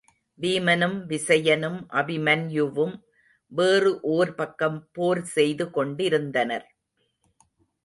வீமனும் விசயனும் அபிமன்யுவும் வேறு ஓர் பக்கம் போர் செய்து கொண்டிருந்தனர்.